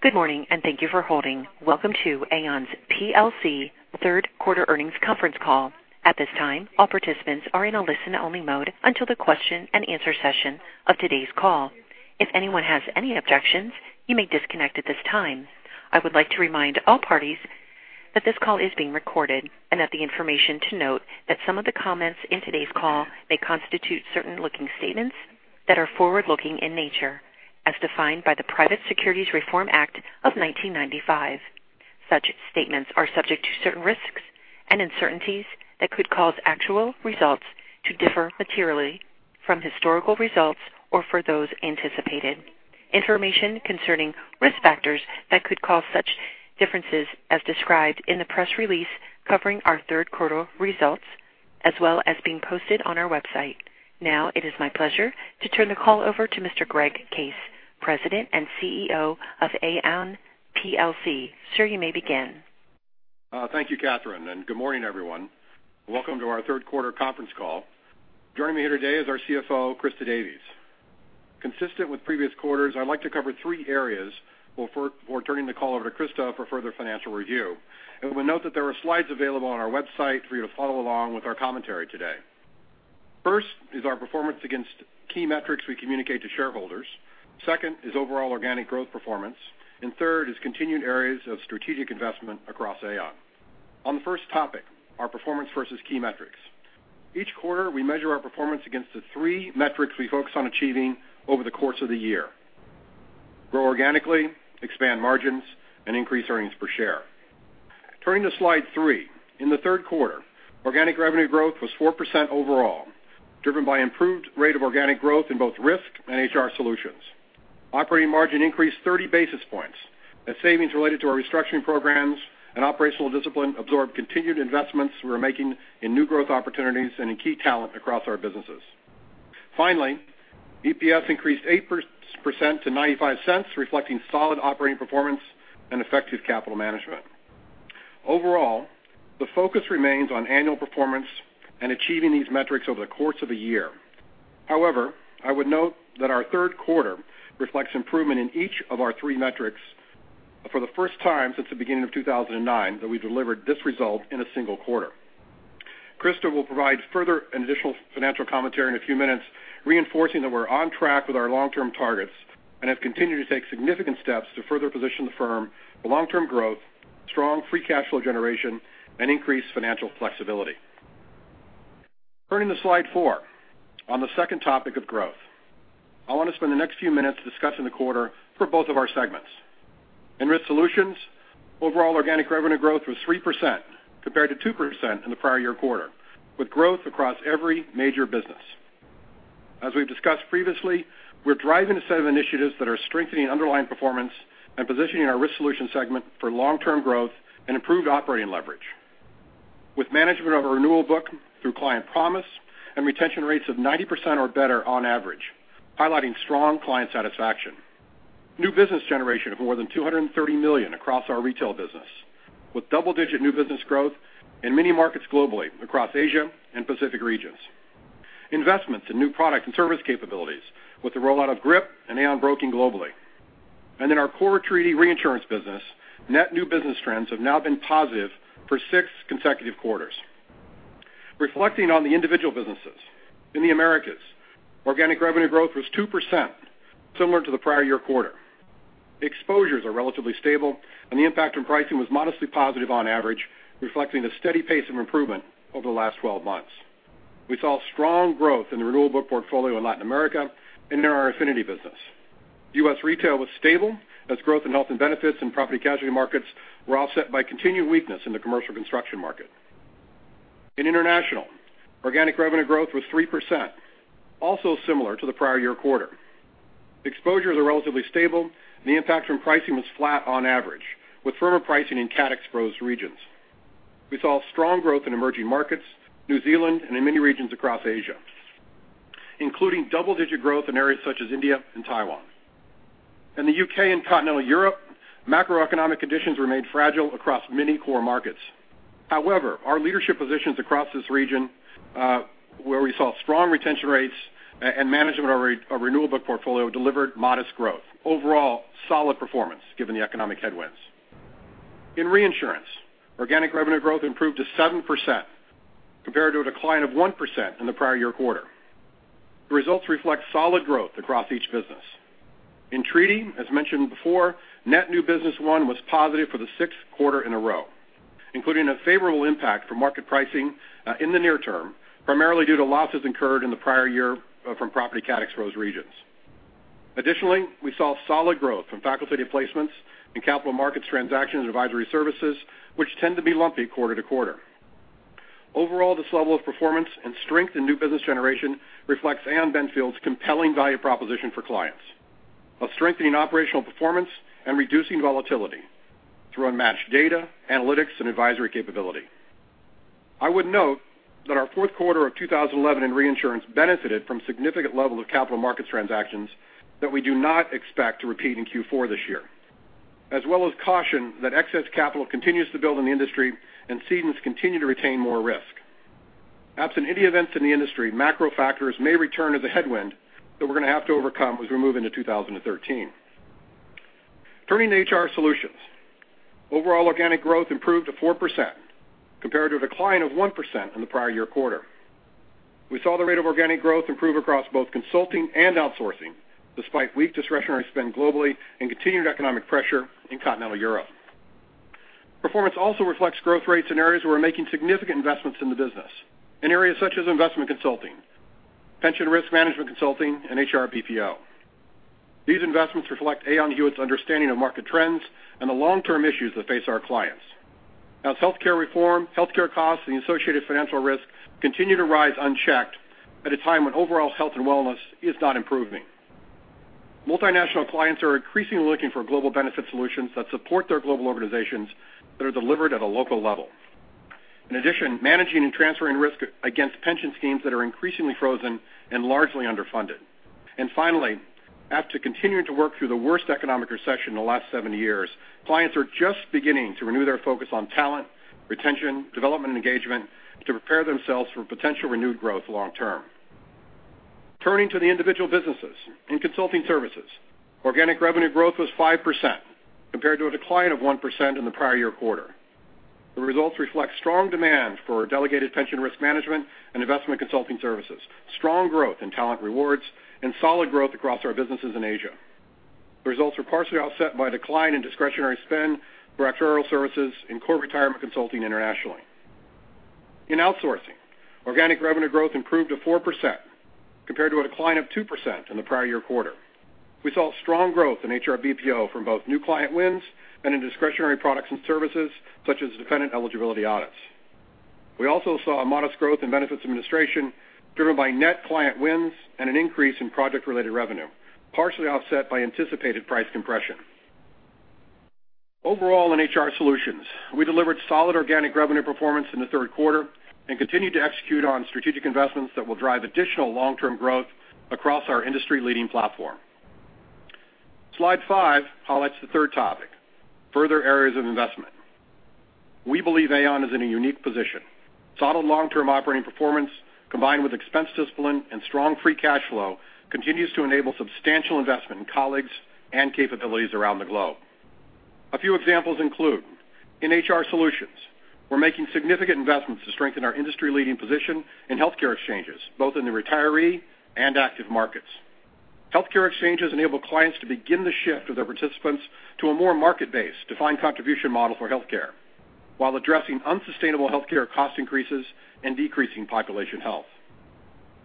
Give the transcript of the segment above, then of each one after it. Good morning, thank you for holding. Welcome to Aon plc's third quarter earnings conference call. At this time, all participants are in a listen-only mode until the question-and-answer session of today's call. If anyone has any objections, you may disconnect at this time. I would like to remind all parties that this call is being recorded, and that the information to note that some of the comments in today's call may constitute certain looking statements that are forward-looking in nature, as defined by the Private Securities Litigation Reform Act of 1995. Such statements are subject to certain risks and uncertainties that could cause actual results to differ materially from historical results or for those anticipated. Information concerning risk factors that could cause such differences as described in the press release covering our third quarter results, as well as being posted on our website. Now it is my pleasure to turn the call over to Mr. Greg Case, President and CEO of Aon plc. Sir, you may begin. Thank you, Catherine, good morning, everyone. Welcome to our third quarter conference call. Joining me here today is our CFO, Christa Davies. Consistent with previous quarters, I'd like to cover three areas before turning the call over to Christa for further financial review. We note that there are slides available on our website for you to follow along with our commentary today. First is our performance against key metrics we communicate to shareholders. Second is overall organic growth performance. Third is continued areas of strategic investment across Aon. On the first topic, our performance versus key metrics. Each quarter, we measure our performance against the three metrics we focus on achieving over the course of the year: grow organically, expand margins, and increase earnings per share. Turning to slide three. In the third quarter, organic revenue growth was 4% overall, driven by improved rate of organic growth in both Risk Solutions and HR Solutions. Operating margin increased 30 basis points as savings related to our restructuring programs and operational discipline absorbed continued investments we're making in new growth opportunities and in key talent across our businesses. Finally, EPS increased 8% to $0.95, reflecting solid operating performance and effective capital management. Overall, the focus remains on annual performance and achieving these metrics over the course of the year. However, I would note that our third quarter reflects improvement in each of our three metrics for the first time since the beginning of 2009 that we delivered this result in a single quarter. Christa will provide further and additional financial commentary in a few minutes, reinforcing that we're on track with our long-term targets and have continued to take significant steps to further position the firm for long-term growth, strong free cash flow generation, and increased financial flexibility. Turning to slide 4, on the second topic of growth. I want to spend the next few minutes discussing the quarter for both of our segments. In Risk Solutions, overall organic revenue growth was 3% compared to 2% in the prior year quarter, with growth across every major business. As we've discussed previously, we're driving a set of initiatives that are strengthening underlying performance and positioning our Risk Solutions segment for long-term growth and improved operating leverage with management of our renewal book through Aon Client Promise and retention rates of 90% or better on average, highlighting strong client satisfaction. New business generation of more than $230 million across our retail business, with double-digit new business growth in many markets globally across Asia and Pacific regions. Investments in new product and service capabilities with the rollout of GRIP and Aon Broking globally. In our core treaty reinsurance business, net new business trends have now been positive for 6 consecutive quarters. Reflecting on the individual businesses. In the Americas, organic revenue growth was 2%, similar to the prior year quarter. Exposures are relatively stable, and the impact on pricing was modestly positive on average, reflecting a steady pace of improvement over the last 12 months. We saw strong growth in the renewal book portfolio in Latin America and in our affinity business. U.S. retail was stable as growth in health and benefits and property casualty markets were offset by continued weakness in the commercial construction market. In international, organic revenue growth was 3%, also similar to the prior year quarter. Exposures are relatively stable, and the impact from pricing was flat on average, with firmer pricing in cat exposed regions. We saw strong growth in emerging markets, New Zealand, and in many regions across Asia, including double-digit growth in areas such as India and Taiwan. In the U.K. and Continental Europe, macroeconomic conditions remained fragile across many core markets. However, our leadership positions across this region, where we saw strong retention rates and management of our renewal book portfolio delivered modest growth. Overall, solid performance given the economic headwinds. In reinsurance, organic revenue growth improved to 7% compared to a decline of 1% in the prior year quarter. The results reflect solid growth across each business. In treaty, as mentioned before, net new business won was positive for the 6th quarter in a row, including a favorable impact from market pricing in the near term, primarily due to losses incurred in the prior year from property cat exposed regions. Additionally, we saw solid growth from facultative placements and capital markets transactions and advisory services, which tend to be lumpy quarter to quarter. Overall, this level of performance and strength in new business generation reflects Aon Benfield's compelling value proposition for clients of strengthening operational performance and reducing volatility through unmatched data, analytics, and advisory capability. I would note that our Q4 2011 in reinsurance benefited from significant level of capital markets transactions that we do not expect to repeat in Q4 this year. Caution that excess capital continues to build in the industry and cedents continue to retain more risk. Absent any events in the industry, macro factors may return as a headwind that we're going to have to overcome as we move into 2013. Turning to HR Solutions, overall organic growth improved to 4%, compared to a decline of 1% in the prior year quarter. We saw the rate of organic growth improve across both consulting and outsourcing, despite weak discretionary spend globally and continued economic pressure in continental Europe. Performance also reflects growth rates in areas where we're making significant investments in the business, in areas such as investment consulting, pension risk management consulting, and HR BPO. These investments reflect Aon Hewitt's understanding of market trends and the long-term issues that face our clients. As healthcare reform, healthcare costs, and the associated financial risks continue to rise unchecked at a time when overall health and wellness is not improving. Multinational clients are increasingly looking for global benefit solutions that support their global organizations that are delivered at a local level. In addition, managing and transferring risk against pension schemes that are increasingly frozen and largely underfunded. Finally, after continuing to work through the worst economic recession in the last seven years, clients are just beginning to renew their focus on talent, retention, development, and engagement to prepare themselves for potential renewed growth long term. Turning to the individual businesses. In consulting services, organic revenue growth was 5%, compared to a decline of 1% in the prior year quarter. The results reflect strong demand for delegated pension risk management and investment consulting services, strong growth in talent rewards, and solid growth across our businesses in Asia. The results were partially offset by a decline in discretionary spend for actuarial services and core retirement consulting internationally. In outsourcing, organic revenue growth improved to 4%, compared to a decline of 2% in the prior year quarter. We saw strong growth in HR BPO from both new client wins and in discretionary products and services such as dependent eligibility audits. We also saw a modest growth in benefits administration, driven by net client wins and an increase in project-related revenue, partially offset by anticipated price compression. Overall, in HR Solutions, we delivered solid organic revenue performance in the third quarter and continued to execute on strategic investments that will drive additional long-term growth across our industry-leading platform. Slide five highlights the third topic, further areas of investment. We believe Aon is in a unique position. Solid long-term operating performance, combined with expense discipline and strong free cash flow, continues to enable substantial investment in colleagues and capabilities around the globe. A few examples include, in HR Solutions, we're making significant investments to strengthen our industry-leading position in healthcare exchanges, both in the retiree and active markets. Healthcare exchanges enable clients to begin the shift of their participants to a more market-based defined contribution model for healthcare, while addressing unsustainable healthcare cost increases and decreasing population health.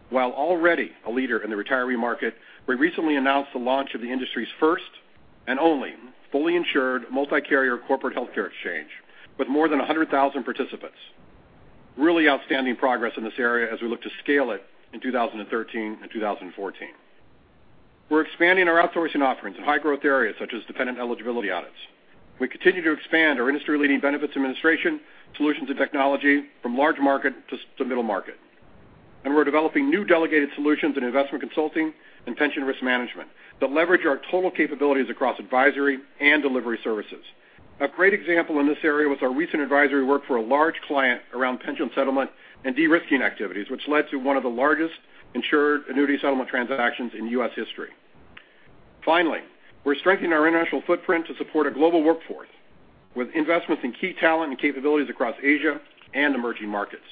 While already a leader in the retiree market, we recently announced the launch of the industry's first and only fully insured multi-carrier corporate healthcare exchange with more than 100,000 participants. Really outstanding progress in this area as we look to scale it in 2013 and 2014. We're expanding our outsourcing offerings in high-growth areas such as dependent eligibility audits. We continue to expand our industry-leading benefits administration, solutions and technology from large market to middle market. We're developing new delegated solutions in investment consulting and pension risk management that leverage our total capabilities across advisory and delivery services. A great example in this area was our recent advisory work for a large client around pension settlement and de-risking activities, which led to one of the largest insured annuity settlement transactions in U.S. history. Finally, we're strengthening our international footprint to support a global workforce with investments in key talent and capabilities across Asia and emerging markets.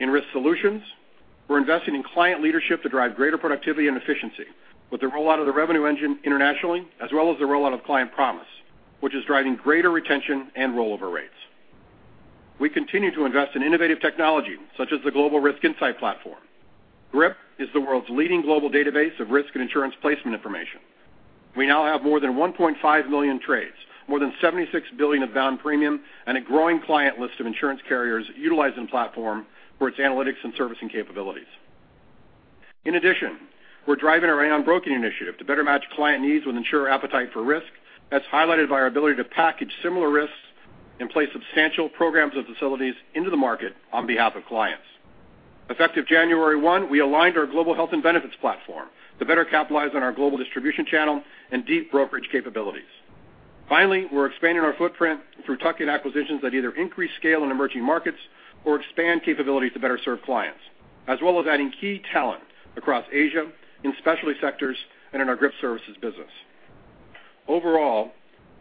In Risk Solutions, we're investing in client leadership to drive greater productivity and efficiency with the rollout of the revenue engine internationally, as well as the rollout of Aon Client Promise, which is driving greater retention and rollover rates. We continue to invest in innovative technology such as the Global Risk Insight Platform. GRIP is the world's leading global database of risk and insurance placement information. We now have more than 1.5 million trades, more than $76 billion of bound premium, and a growing client list of insurance carriers utilizing the platform for its analytics and servicing capabilities. In addition, we're driving our Aon Broking initiative to better match client needs with insurer appetite for risk, as highlighted by our ability to package similar risks and place substantial programs and facilities into the market on behalf of clients. Effective January 1, we aligned our global health and benefits platform to better capitalize on our global distribution channel and deep brokerage capabilities. Finally, we're expanding our footprint through tuck-in acquisitions that either increase scale in emerging markets or expand capabilities to better serve clients, as well as adding key talent across Asia, in specialty sectors, and in our GRIP services business. Overall,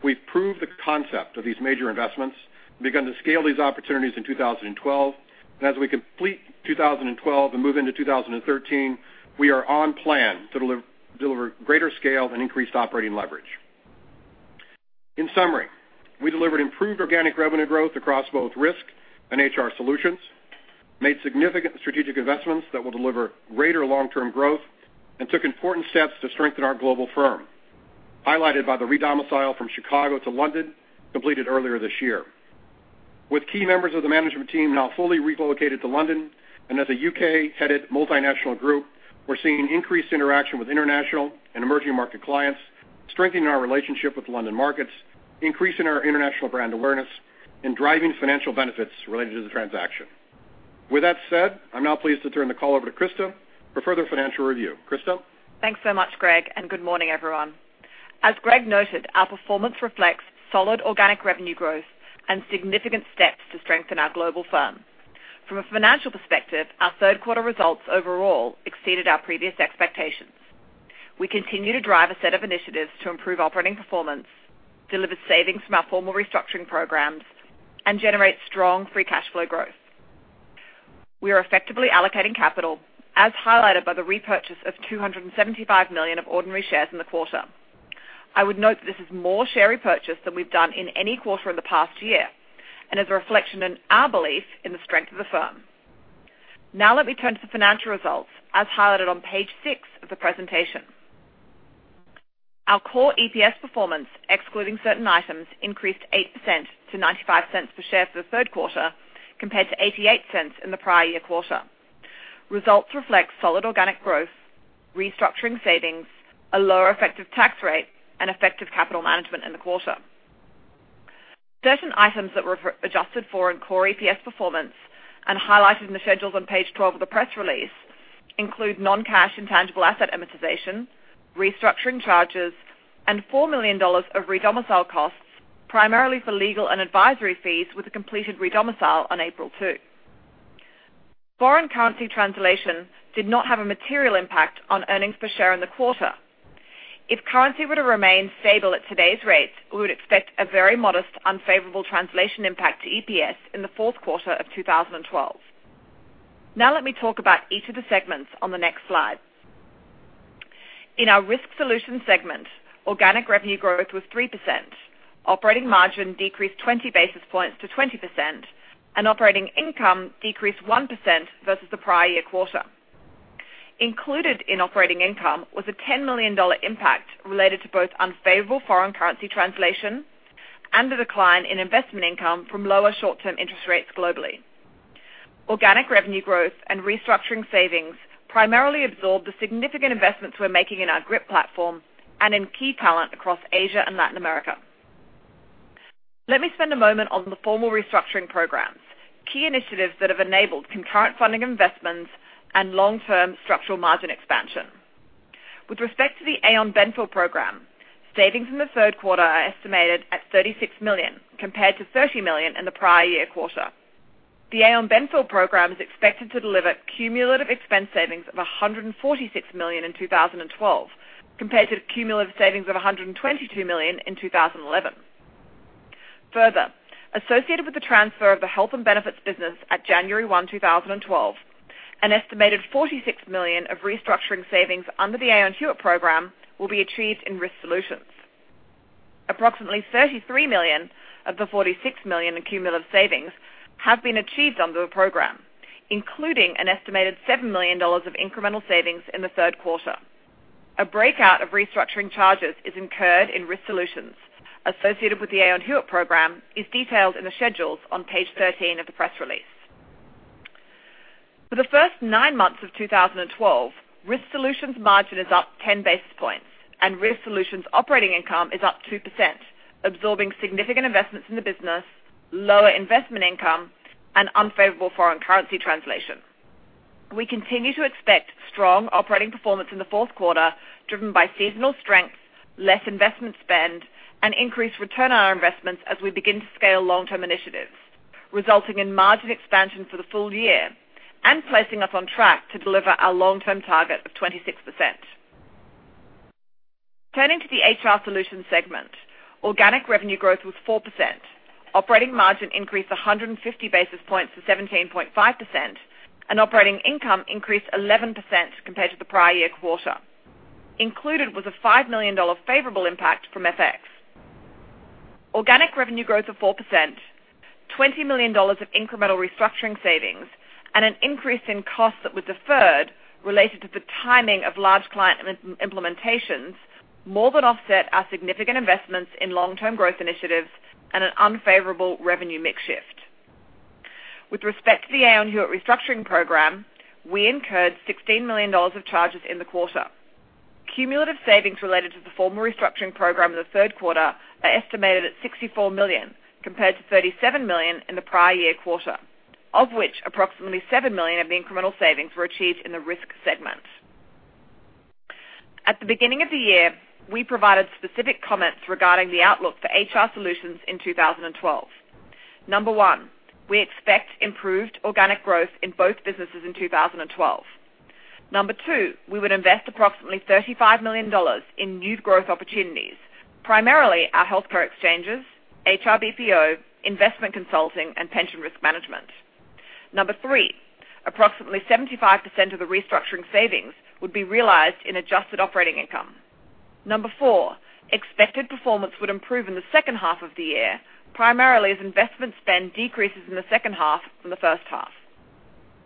we've proved the concept of these major investments and begun to scale these opportunities in 2012. As we complete 2012 and move into 2013, we are on plan to deliver greater scale and increased operating leverage. In summary, we delivered improved organic revenue growth across both Risk and HR Solutions, made significant strategic investments that will deliver greater long-term growth, and took important steps to strengthen our global firm, highlighted by the re-domicile from Chicago to London, completed earlier this year. With key members of the management team now fully relocated to London, and as a U.K.-headed multinational group, we're seeing increased interaction with international and emerging market clients, strengthening our relationship with London markets, increasing our international brand awareness, and driving financial benefits related to the transaction. With that said, I'm now pleased to turn the call over to Christa for further financial review. Christa? Thanks so much, Greg, and good morning, everyone. As Greg noted, our performance reflects solid organic revenue growth and significant steps to strengthen our global firm. From a financial perspective, our third quarter results overall exceeded our previous expectations. We continue to drive a set of initiatives to improve operating performance, deliver savings from our formal restructuring programs, and generate strong free cash flow growth. We are effectively allocating capital, as highlighted by the repurchase of $275 million of ordinary shares in the quarter. I would note that this is more share repurchase than we've done in any quarter in the past year, and is a reflection in our belief in the strength of the firm. Now let me turn to the financial results, as highlighted on page six of the presentation. Our core EPS performance, excluding certain items, increased 8% to $0.95 per share for the third quarter, compared to $0.88 in the prior year quarter. Results reflect solid organic growth, restructuring savings, a lower effective tax rate, and effective capital management in the quarter. Certain items that were adjusted for in core EPS performance and highlighted in the schedules on page 12 of the press release include non-cash intangible asset amortization, restructuring charges, and $4 million of redomicile costs, primarily for legal and advisory fees, with the completed redomicile on April 2. Foreign currency translation did not have a material impact on earnings per share in the quarter. If currency were to remain stable at today's rates, we would expect a very modest unfavorable translation impact to EPS in the fourth quarter of 2012. Let me talk about each of the segments on the next slide. In our Risk Solutions segment, organic revenue growth was 3%, operating margin decreased 20 basis points to 20%, and operating income decreased 1% versus the prior year quarter. Included in operating income was a $10 million impact related to both unfavorable foreign currency translation and the decline in investment income from lower short-term interest rates globally. Organic revenue growth and restructuring savings primarily absorbed the significant investments we're making in our GRIP platform and in key talent across Asia and Latin America. Let me spend a moment on the formal restructuring programs, key initiatives that have enabled concurrent funding investments and long-term structural margin expansion. With respect to the Aon Benfield Plan, savings in the third quarter are estimated at $36 million, compared to $30 million in the prior year quarter. The Aon Benfield Plan is expected to deliver cumulative expense savings of $146 million in 2012, compared to the cumulative savings of $122 million in 2011. Further, associated with the transfer of the health and benefits business at January 1, 2012, an estimated $46 million of restructuring savings under the Aon Hewitt Plan will be achieved in Risk Solutions. Approximately $33 million of the $46 million in cumulative savings have been achieved under the program, including an estimated $7 million of incremental savings in the third quarter. A breakout of restructuring charges is incurred in Risk Solutions associated with the Aon Hewitt Plan is detailed in the schedules on page 13 of the press release. For the first nine months of 2012, Risk Solutions' margin is up 10 basis points, and Risk Solutions' operating income is up 2%, absorbing significant investments in the business, lower investment income, and unfavorable foreign currency translation. We continue to expect strong operating performance in the fourth quarter, driven by seasonal strengths, less investment spend, and increased return on our investments as we begin to scale long-term initiatives, resulting in margin expansion for the full year and placing us on track to deliver our long-term target of 26%. Turning to the HR Solutions segment, organic revenue growth was 4%. Operating margin increased 150 basis points to 17.5%, and operating income increased 11% compared to the prior year quarter. Included was a $5 million favorable impact from FX. Organic revenue growth of 4%, $20 million of incremental restructuring savings, and an increase in costs that were deferred related to the timing of large client implementations more than offset our significant investments in long-term growth initiatives and an unfavorable revenue mix shift. With respect to the Aon Hewitt restructuring program, we incurred $16 million of charges in the quarter. Cumulative savings related to the formal restructuring program in the third quarter are estimated at $64 million, compared to $37 million in the prior year quarter, of which approximately $7 million of the incremental savings were achieved in the risk segment. At the beginning of the year, we provided specific comments regarding the outlook for HR Solutions in 2012. Number one, we expect improved organic growth in both businesses in 2012. Number two, we would invest approximately $35 million in new growth opportunities, primarily our healthcare exchanges, HR BPO, investment consulting, and pension risk management. Number three, approximately 75% of the restructuring savings would be realized in adjusted operating income. Number four, expected performance would improve in the second half of the year, primarily as investment spend decreases in the second half from the first half.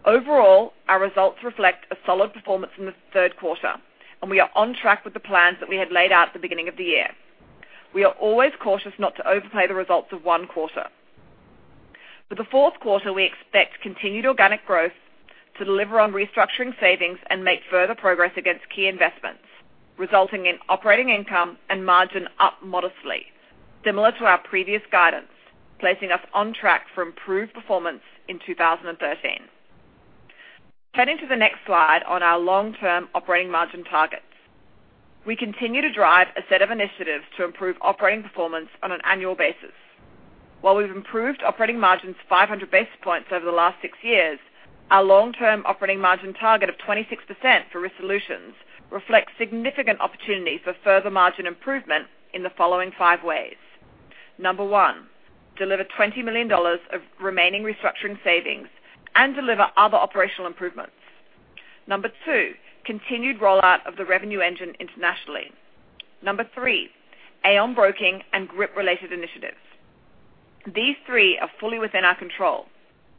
Overall, our results reflect a solid performance in the third quarter, and we are on track with the plans that we had laid out at the beginning of the year. We are always cautious not to overplay the results of one quarter. For the fourth quarter, we expect continued organic growth to deliver on restructuring savings and make further progress against key investments, resulting in operating income and margin up modestly, similar to our previous guidance, placing us on track for improved performance in 2013. Turning to the next slide on our long-term operating margin targets. We continue to drive a set of initiatives to improve operating performance on an annual basis. While we've improved operating margins 500 basis points over the last six years, our long-term operating margin target of 26% for Risk Solutions reflects significant opportunity for further margin improvement in the following five ways. Number one, deliver $20 million of remaining restructuring savings and deliver other operational improvements. Number two, continued rollout of the revenue engine internationally. Number three, Aon Broking and GRIP-related initiatives. These three are fully within our control.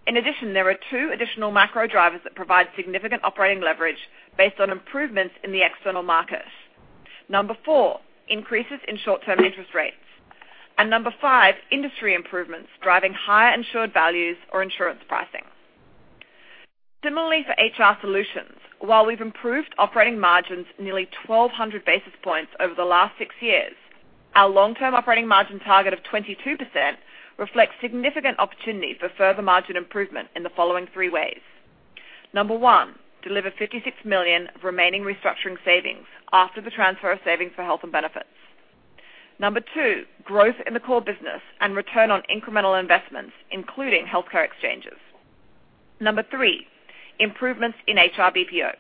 In addition, there are two additional macro drivers that provide significant operating leverage based on improvements in the external market. Number four, increases in short-term interest rates. Number five, industry improvements driving higher insured values or insurance pricing. Similarly, for HR Solutions, while we've improved operating margins nearly 1,200 basis points over the last six years, our long-term operating margin target of 22% reflects significant opportunity for further margin improvement in the following three ways. Number one, deliver $56 million remaining restructuring savings after the transfer of savings for health and benefits. Number two, growth in the core business and return on incremental investments, including healthcare exchanges. Number three, improvements in HR BPO.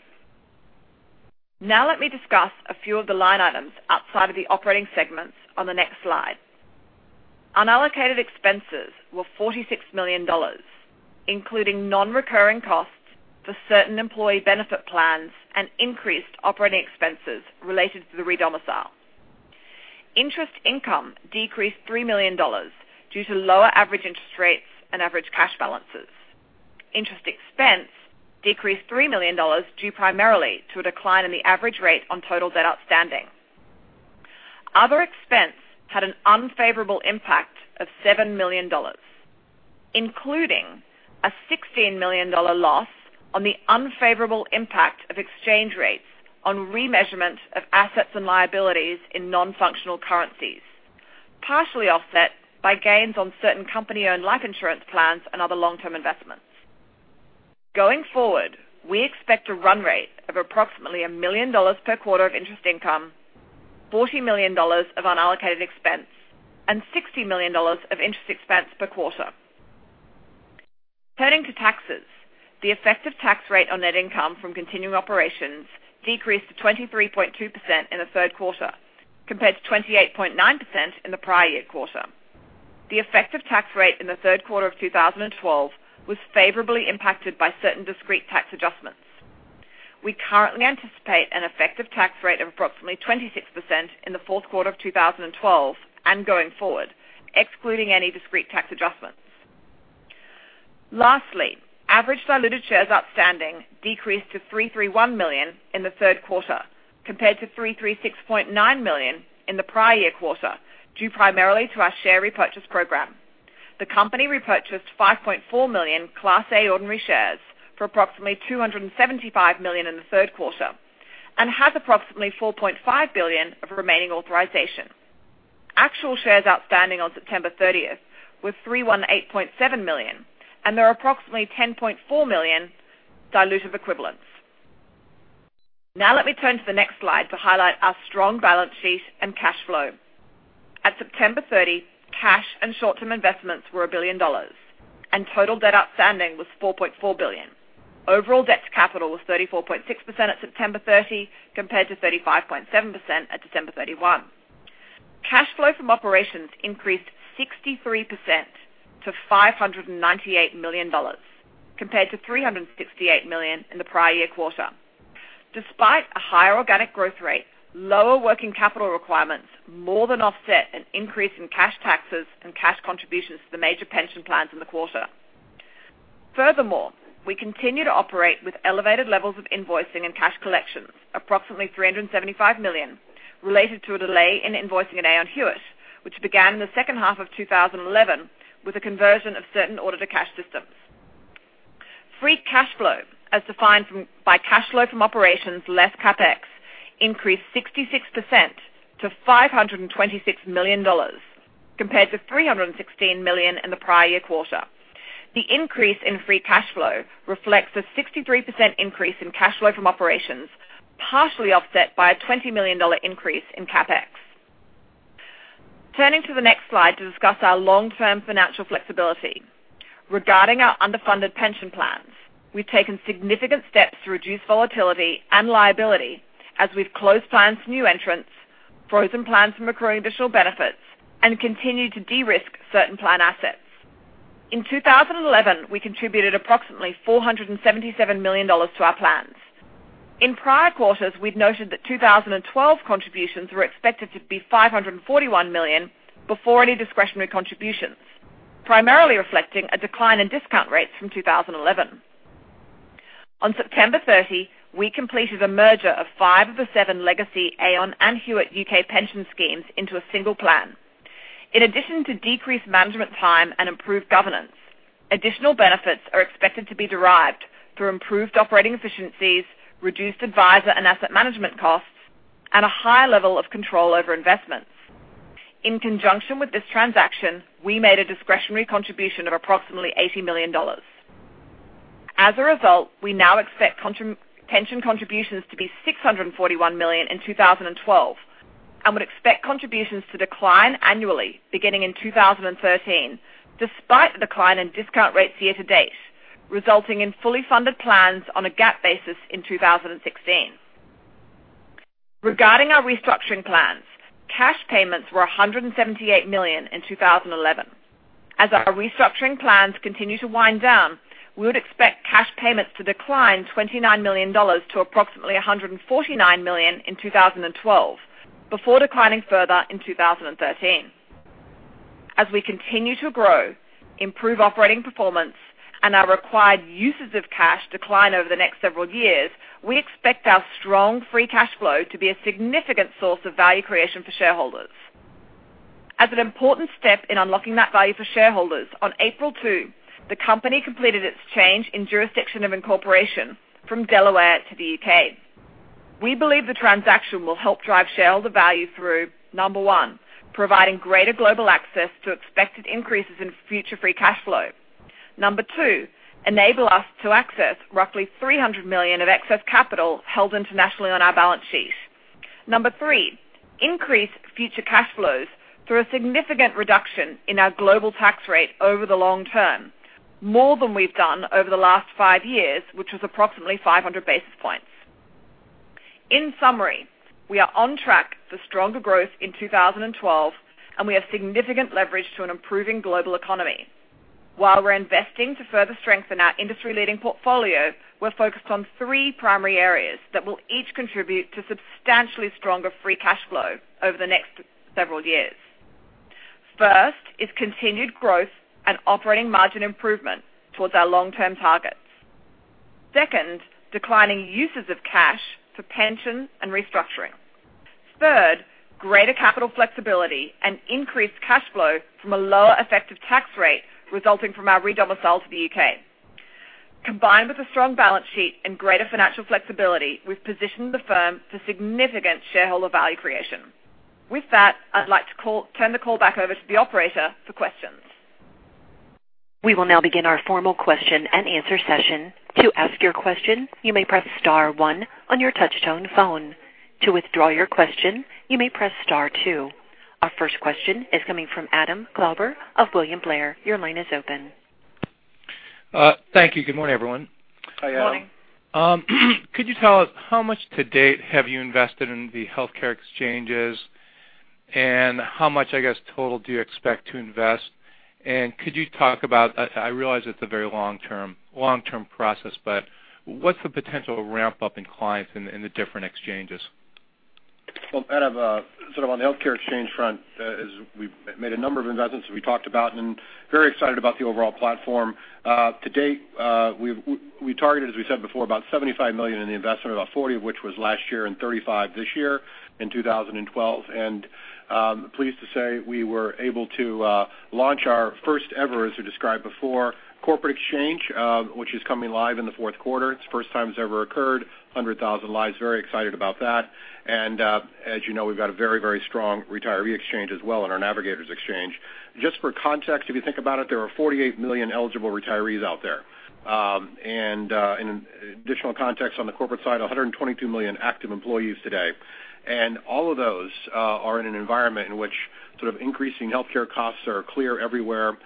Now let me discuss a few of the line items outside of the operating segments on the next slide. Unallocated expenses were $46 million, including non-recurring costs for certain employee benefit plans and increased operating expenses related to the redomicile. Interest income decreased $3 million due to lower average interest rates and average cash balances. Interest expense decreased $3 million due primarily to a decline in the average rate on total debt outstanding. Other expense had an unfavorable impact of $7 million, including a $16 million loss on the unfavorable impact of exchange rates on remeasurement of assets and liabilities in non-functional currencies, partially offset by gains on certain company-owned life insurance plans and other long-term investments. Going forward, we expect a run rate of approximately $1 million per quarter of interest income, $40 million of unallocated expense, and $60 million of interest expense per quarter. Turning to taxes, the effective tax rate on net income from continuing operations decreased to 23.2% in the third quarter, compared to 28.9% in the prior year quarter. The effective tax rate in the third quarter of 2012 was favorably impacted by certain discrete tax adjustments. We currently anticipate an effective tax rate of approximately 26% in the fourth quarter of 2012 and going forward, excluding any discrete tax adjustments. Lastly, average diluted shares outstanding decreased to 331 million in the third quarter compared to 336.9 million in the prior year quarter, due primarily to our share repurchase program. The company repurchased 5.4 million Class A ordinary shares for approximately $275 million in the third quarter and has approximately $4.5 billion of remaining authorization. Actual shares outstanding on September 30th were 318.7 million, and there are approximately 10.4 million dilutive equivalents. Now let me turn to the next slide to highlight our strong balance sheet and cash flow. At September 30, cash and short-term investments were $1 billion, and total debt outstanding was $4.4 billion. Overall debt to capital was 34.6% at September 30, compared to 35.7% at December 31. Cash flow from operations increased 63% to $598 million, compared to $368 million in the prior year quarter. Despite a higher organic growth rate, lower working capital requirements more than offset an increase in cash taxes and cash contributions to the major pension plans in the quarter. Furthermore, we continue to operate with elevated levels of invoicing and cash collections, approximately $375 million, related to a delay in invoicing at Aon Hewitt, which began in the second half of 2011 with the conversion of certain order to cash systems. Free cash flow, as defined by cash flow from operations less CapEx, increased 66% to $526 million, compared to $316 million in the prior year quarter. The increase in free cash flow reflects a 63% increase in cash flow from operations, partially offset by a $20 million increase in CapEx. Turning to the next slide to discuss our long-term financial flexibility. Regarding our underfunded pension plans, we've taken significant steps to reduce volatility and liability as we've closed plans to new entrants, frozen plans from accruing additional benefits, and continued to de-risk certain plan assets. In 2011, we contributed approximately $477 million to our plans. In prior quarters, we've noted that 2012 contributions were expected to be $541 million before any discretionary contributions, primarily reflecting a decline in discount rates from 2011. On September 30, we completed a merger of five of the seven legacy Aon and Hewitt U.K. pension schemes into a single plan. In addition to decreased management time and improved governance, additional benefits are expected to be derived through improved operating efficiencies, reduced advisor and asset management costs, and a higher level of control over investments. In conjunction with this transaction, we made a discretionary contribution of approximately $80 million. As a result, we now expect pension contributions to be $641 million in 2012 and would expect contributions to decline annually beginning in 2013, despite the decline in discount rates year-to-date, resulting in fully funded plans on a GAAP basis in 2016. Regarding our restructuring plans, cash payments were $178 million in 2011. As our restructuring plans continue to wind down, we would expect cash payments to decline $29 million to approximately $149 million in 2012, before declining further in 2013. As we continue to grow, improve operating performance, and our required uses of cash decline over the next several years, we expect our strong free cash flow to be a significant source of value creation for shareholders. As an important step in unlocking that value for shareholders, on April 2, the company completed its change in jurisdiction of incorporation from Delaware to the U.K. We believe the transaction will help drive shareholder value through, number one, providing greater global access to expected increases in future free cash flow. Number two, enable us to access roughly $300 million of excess capital held internationally on our balance sheet. Number three, increase future cash flows through a significant reduction in our global tax rate over the long term, more than we've done over the last five years, which was approximately 500 basis points. In summary, we are on track for stronger growth in 2012, and we have significant leverage to an improving global economy. While we're investing to further strengthen our industry-leading portfolio, we're focused on three primary areas that will each contribute to substantially stronger free cash flow over the next several years. First, is continued growth and operating margin improvement towards our long-term targets. Second, declining uses of cash for pension and restructuring. Third, greater capital flexibility and increased cash flow from a lower effective tax rate resulting from our redomicile to the U.K. Combined with a strong balance sheet and greater financial flexibility, we've positioned the firm for significant shareholder value creation. With that, I'd like to turn the call back over to the operator for questions. We will now begin our formal question-and-answer session. To ask your question, you may press star one on your touchtone phone. To withdraw your question, you may press star two. Our first question is coming from Adam Klauber of William Blair. Your line is open. Thank you. Good morning, everyone. Good morning. Could you tell us how much to date have you invested in the healthcare exchanges, and how much, I guess, total do you expect to invest? Could you talk about, I realize it's a very long-term process, but what's the potential ramp-up in clients in the different exchanges? Well, Adam, on the healthcare exchange front, as we've made a number of investments we talked about and very excited about the overall platform. To date, we targeted, as we said before, about $75 million in the investment, about $40 million of which was last year and $35 million this year in 2012. Pleased to say we were able to launch our first ever, as we described before, corporate exchange, which is coming live in the fourth quarter. It's the first time it's ever occurred, 100,000 lives. Very excited about that. As you know, we've got a very strong retiree exchange as well in our Navigators exchange. Just for context, if you think about it, there are 48 million eligible retirees out there. Additional context on the corporate side, 122 million active employees today. All of those are in an environment in which increasing healthcare costs are clear everywhere.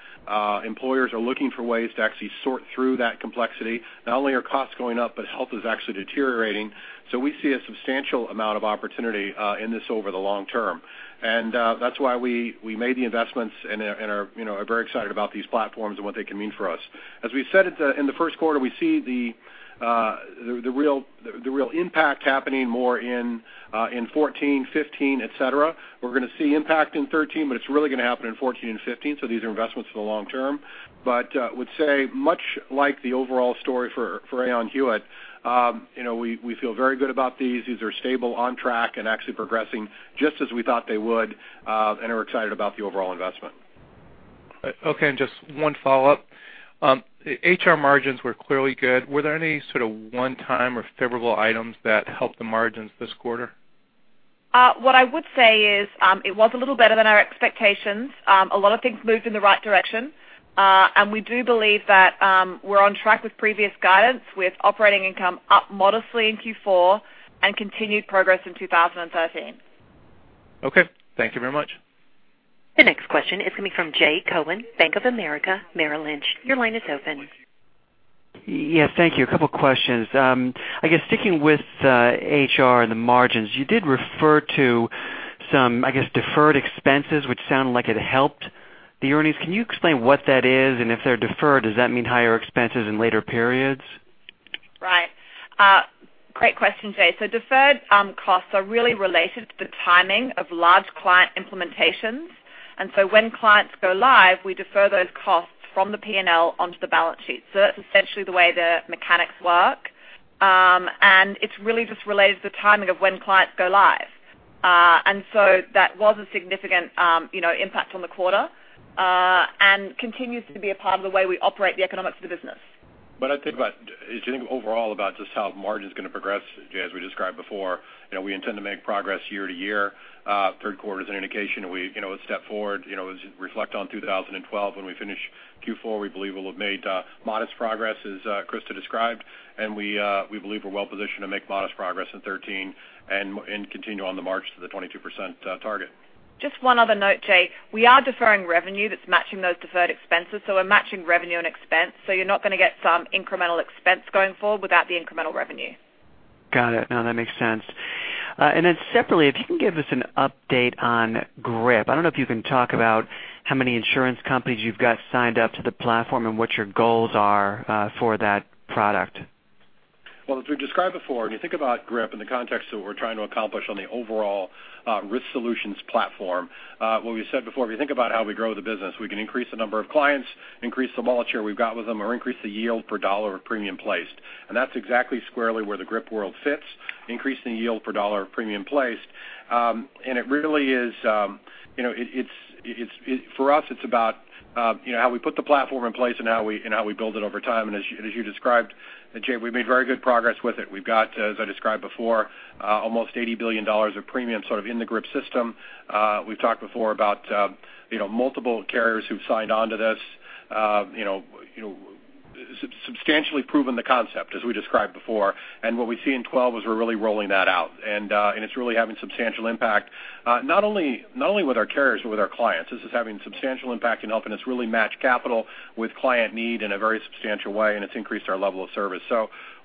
Employers are looking for ways to actually sort through that complexity. Not only are costs going up, but health is actually deteriorating. We see a substantial amount of opportunity in this over the long term. That's why we made the investments and are very excited about these platforms and what they can mean for us. As we said in the first quarter, we see the real impact happening more in 2014, 2015, et cetera. We're going to see impact in 2013, but it's really going to happen in 2014 and 2015, so these are investments for the long term. Would say, much like the overall story for Aon Hewitt, we feel very good about these. These are stable, on track, and actually progressing just as we thought they would, and are excited about the overall investment. Okay. Just one follow-up. HR margins were clearly good. Were there any one-time or favorable items that helped the margins this quarter? What I would say is, it was a little better than our expectations. A lot of things moved in the right direction. We do believe that we're on track with previous guidance, with operating income up modestly in Q4 and continued progress in 2013. Okay. Thank you very much. The next question is coming from Jay Cohen, Bank of America, Merrill Lynch. Your line is open. Yes, thank you. A couple questions. I guess sticking with HR and the margins, you did refer to some, I guess, deferred expenses, which sound like it helped the earnings. Can you explain what that is? And if they're deferred, does that mean higher expenses in later periods? Right. Great question, Jay. Deferred costs are really related to the timing of large client implementations. When clients go live, we defer those costs from the P&L onto the balance sheet. That's essentially the way the mechanics work. It's really just related to the timing of when clients go live. That was a significant impact on the quarter, and continues to be a part of the way we operate the economics of the business. I think overall about just how margin's going to progress, Jay, as we described before, we intend to make progress year to year. Third quarter is an indication, and we step forward. As we reflect on 2012 when we finish Q4, we believe we'll have made modest progress, as Christa described, and we believe we're well positioned to make modest progress in 2013 and continue on the march to the 22% target. Just one other note, Jay. We are deferring revenue that's matching those deferred expenses, so we're matching revenue and expense, so you're not going to get some incremental expense going forward without the incremental revenue. Got it. No, that makes sense. Separately, if you can give us an update on GRIP. I don't know if you can talk about how many insurance companies you've got signed up to the platform and what your goals are for that product. As we described before, when you think about GRIP in the context of what we're trying to accomplish on the overall Risk Solutions platform, what we said before, if you think about how we grow the business, we can increase the number of clients, increase the wallet share we've got with them, or increase the yield per dollar of premium placed. That's exactly squarely where the GRIP world fits, increasing yield per dollar of premium placed. For us, it's about how we put the platform in place and how we build it over time. As you described, Jay, we've made very good progress with it. We've got, as I described before, almost $80 billion of premium sort of in the GRIP system. We've talked before about multiple carriers who've signed onto this, substantially proven the concept, as we described before. What we see in 2012 is we're really rolling that out. It's really having substantial impact, not only with our carriers or with our clients. This is having substantial impact in helping us really match capital with client need in a very substantial way, and it's increased our level of service.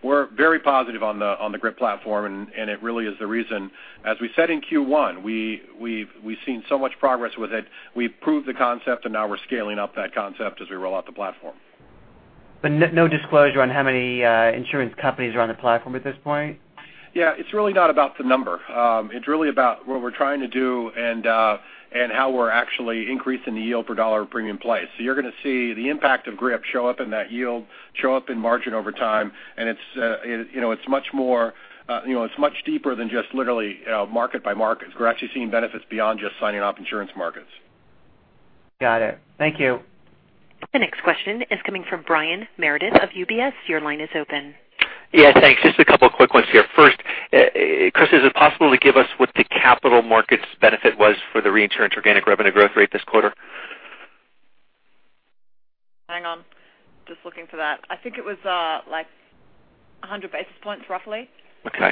We're very positive on the GRIP platform, and it really is the reason. As we said in Q1, we've seen so much progress with it. We've proved the concept, and now we're scaling up that concept as we roll out the platform. No disclosure on how many insurance companies are on the platform at this point? It's really not about the number. It's really about what we're trying to do and how we're actually increasing the yield per dollar of premium placed. You're going to see the impact of GRIP show up in that yield, show up in margin over time, and it's much deeper than just literally market by market, because we're actually seeing benefits beyond just signing up insurance markets. Got it. Thank you. The next question is coming from Brian Meredith of UBS. Your line is open. Yeah, thanks. Just a couple of quick ones here. First, Krista, is it possible to give us what the capital markets benefit was for the reinsurance organic revenue growth rate this quarter? Hang on. Just looking for that. I think it was 100 basis points roughly. Okay.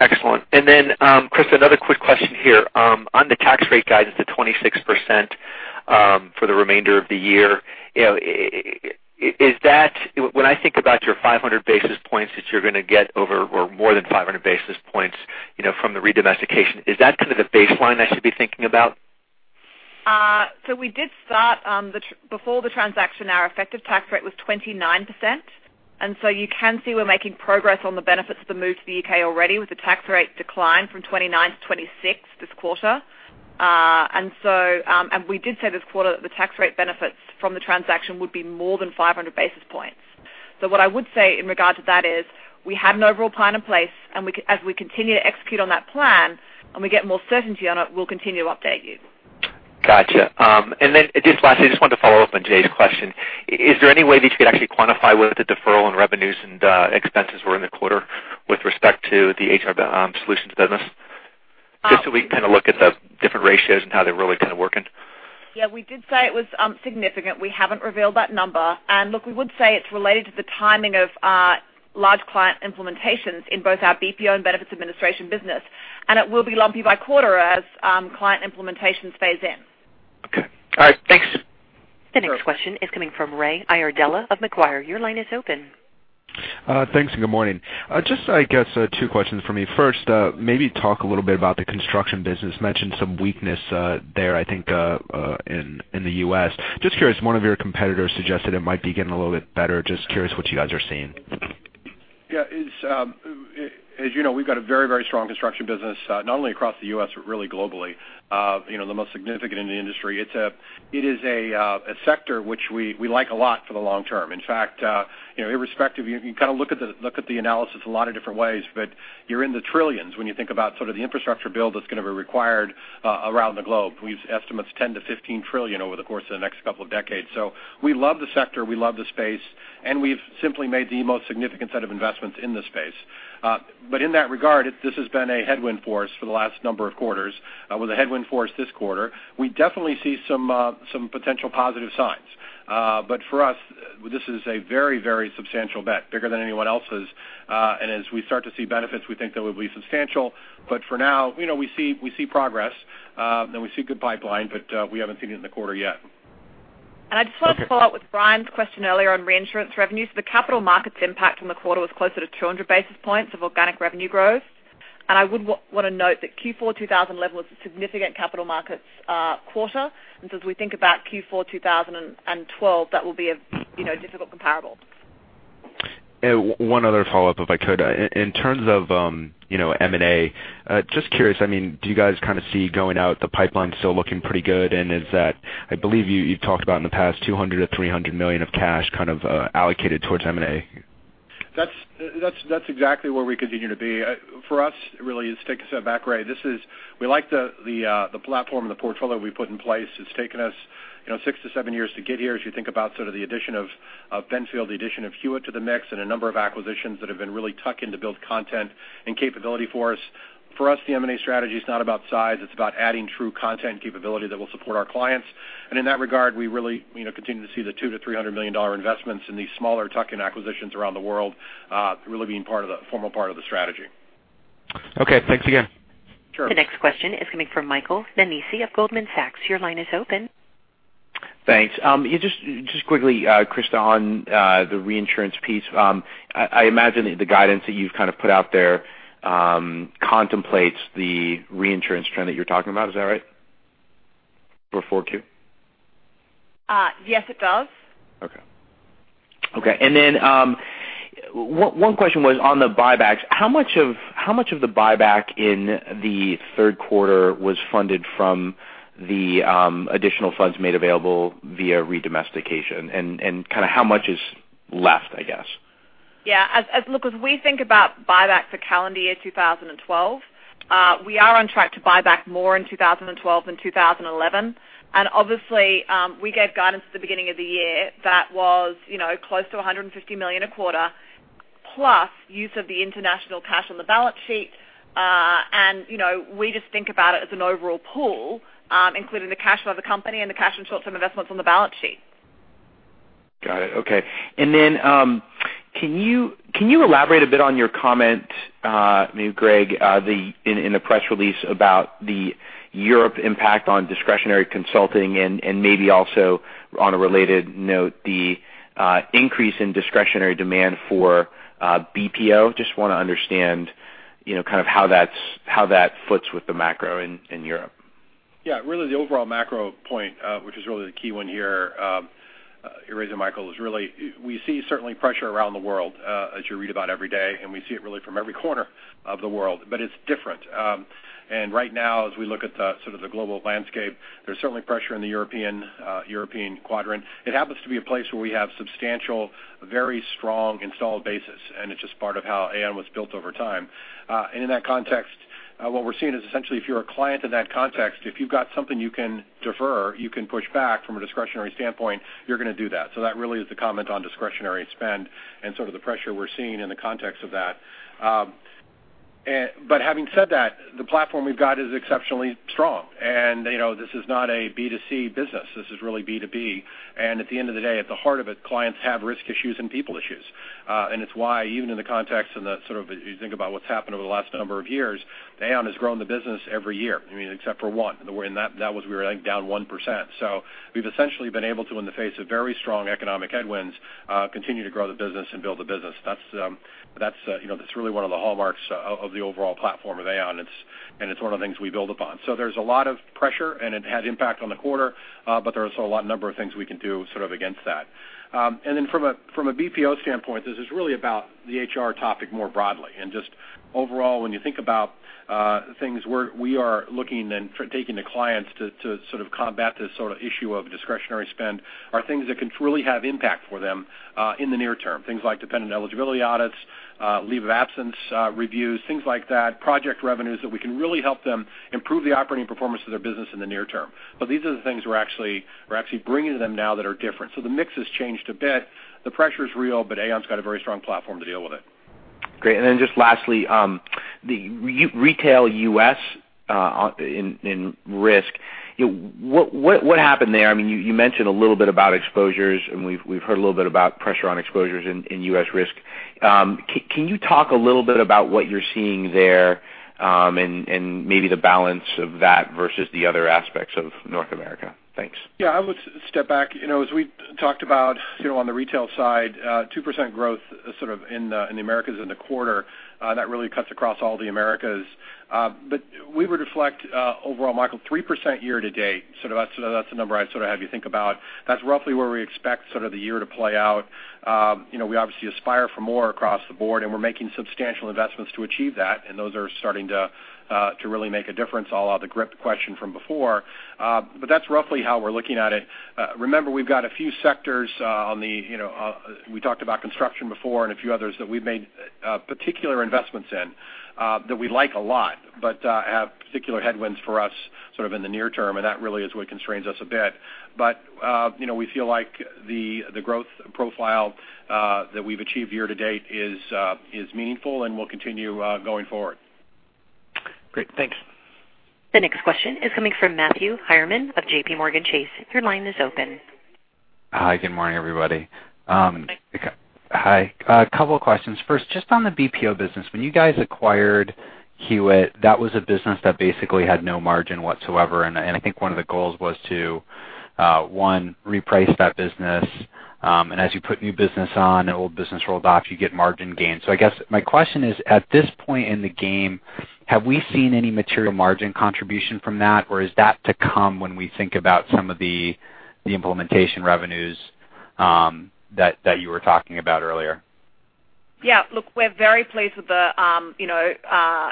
Excellent. Then, Krista, another quick question here. On the tax rate guidance at 26% for the remainder of the year, when I think about your 500 basis points that you're going to get over, or more than 500 basis points from the redomestication, is that kind of the baseline I should be thinking about? We did start before the transaction, our effective tax rate was 29%. You can see we're making progress on the benefits of the move to the U.K. already with the tax rate decline from 29 to 26 this quarter. We did say this quarter that the tax rate benefits from the transaction would be more than 500 basis points. What I would say in regard to that is we had an overall plan in place, and as we continue to execute on that plan and we get more certainty on it, we'll continue to update you. Got you. Just lastly, I just wanted to follow up on Jay's question. Is there any way that you could actually quantify whether the deferral and revenues and expenses were in the quarter with respect to the HR Solutions business? Just so we can kind of look at the different ratios and how they're really kind of working. We did say it was significant. We haven't revealed that number. Look, we would say it's related to the timing of large client implementations in both our BPO and benefits administration business, and it will be lumpy by quarter as client implementation phase in. Okay. All right. Thanks. The next question is coming from Ray Iardella of Macquarie. Your line is open. Thanks. Good morning. I guess two questions for me. First, maybe talk a little bit about the construction business. Mentioned some weakness there, I think, in the U.S. Curious, one of your competitors suggested it might be getting a little bit better. Curious what you guys are seeing. Yeah. As you know, we've got a very strong construction business, not only across the U.S., but really globally, the most significant in the industry. It is a sector which we like a lot for the long term. In fact, irrespective, you kind of look at the analysis a lot of different ways, but you're in the trillions when you think about sort of the infrastructure build that's going to be required around the globe. We estimate it's $10 trillion-$15 trillion over the course of the next couple of decades. We love the sector, we love the space, and we've simply made the most significant set of investments in this space. In that regard, this has been a headwind for us for the last number of quarters, with a headwind for us this quarter. We definitely see some potential positive signs. For us, this is a very substantial bet, bigger than anyone else's. As we start to see benefits, we think they will be substantial. For now, we see progress, and we see good pipeline, but we haven't seen it in the quarter yet. I just wanted to follow up with Brian's question earlier on reinsurance revenues. The capital markets impact on the quarter was closer to 200 basis points of organic revenue growth. I would want to note that Q4 2011 was a significant capital markets quarter. As we think about Q4 2012, that will be a difficult comparable. One other follow-up, if I could. In terms of M&A, just curious, do you guys kind of see going out the pipeline still looking pretty good? I believe you talked about in the past $200 million or $300 million of cash kind of allocated towards M&A. That's exactly where we continue to be. For us, really, it's taking a step back, Ray. We like the platform and the portfolio we put in place. It's taken us six to seven years to get here, as you think about the addition of Benfield, the addition of Hewitt to the mix, and a number of acquisitions that have been really tuck-in to build content and capability for us. For us, the M&A strategy is not about size. It's about adding true content capability that will support our clients. In that regard, we really continue to see the $200 million-$300 million investments in these smaller tuck-in acquisitions around the world, really being a formal part of the strategy. Okay, thanks again. Sure. The next question is coming from Michael Nannizzi of Goldman Sachs. Your line is open. Thanks. Just quickly, Krista, on the reinsurance piece, I imagine that the guidance that you've put out there contemplates the reinsurance trend that you're talking about. Is that right? For 4Q? Yes, it does. Okay. One question was on the buybacks. How much of the buyback in the third quarter was funded from the additional funds made available via redomestication? How much is left, I guess? As we think about buyback for calendar year 2012, we are on track to buy back more in 2012 than 2011. Obviously, we gave guidance at the beginning of the year that was close to $150 million a quarter, plus use of the international cash on the balance sheet. We just think about it as an overall pool, including the cash flow of the company and the cash and short-term investments on the balance sheet. Got it. Okay. Then, can you elaborate a bit on your comment, maybe Greg, in the press release about the Europe impact on discretionary consulting, and maybe also on a related note, the increase in discretionary demand for BPO? Just want to understand how that fits with the macro in Europe. Really the overall macro point, which is really the key one here, raising Michael, is really we see certainly pressure around the world as you read about every day, and we see it really from every corner of the world, but it's different. Right now, as we look at the global landscape, there's certainly pressure in the European quadrant. It happens to be a place where we have substantial, very strong installed bases, and it's just part of how Aon was built over time. In that context, what we're seeing is essentially if you're a client in that context, if you've got something you can defer, you can push back from a discretionary standpoint, you're going to do that. That really is the comment on discretionary spend and the pressure we're seeing in the context of that. Having said that, the platform we've got is exceptionally strong, and this is not a B2C business. This is really B2B. At the end of the day, at the heart of it, clients have risk issues and people issues. It's why even in the context and if you think about what's happened over the last number of years, Aon has grown the business every year, except for one. That was, we were, I think, down 1%. We've essentially been able to, in the face of very strong economic headwinds, continue to grow the business and build the business. That's really one of the hallmarks of the overall platform of Aon. It's one of the things we build upon. There's a lot of pressure, and it had impact on the quarter, but there are also a number of things we can do against that. From a BPO standpoint, this is really about the HR topic more broadly. Just overall, when you think about things we are looking and taking to clients to combat this issue of discretionary spend are things that can truly have impact for them in the near term. Things like dependent eligibility audits, leave of absence reviews, things like that, project revenues that we can really help them improve the operating performance of their business in the near term. These are the things we're actually bringing to them now that are different. The mix has changed a bit. The pressure's real, but Aon's got a very strong platform to deal with it. Great. Just lastly, the retail U.S. in risk, what happened there? You mentioned a little bit about exposures, and we've heard a little bit about pressure on exposures in U.S. risk. Can you talk a little bit about what you're seeing there, and maybe the balance of that versus the other aspects of North America? Thanks. I would step back. As we talked about on the retail side, 2% growth in the Americas in the quarter, that really cuts across all the Americas. We would reflect, overall, Michael, 3% year to date. That's the number I'd have you think about. That's roughly where we expect the year to play out. We obviously aspire for more across the board, and we're making substantial investments to achieve that, and those are starting to really make a difference, all out of the GRIP question from before. That's roughly how we're looking at it. Remember, we've got a few sectors on the. We talked about construction before and a few others that we've made particular investments in that we like a lot, but have particular headwinds for us in the near term, and that really is what constrains us a bit. We feel like the growth profile that we've achieved year to date is meaningful and will continue going forward. Great. Thanks. The next question is coming from Matthew Heimermann of JPMorgan Chase. Your line is open. Hi, good morning, everybody. Hi. Hi. A couple of questions. First, just on the BPO business, when you guys acquired Hewitt, that was a business that basically had no margin whatsoever, and I think one of the goals was to, one, reprice that business, and as you put new business on and old business rolled off, you get margin gains. I guess my question is, at this point in the game, have we seen any material margin contribution from that, or is that to come when we think about some of the implementation revenues that you were talking about earlier? Yeah. Look, we're very pleased with the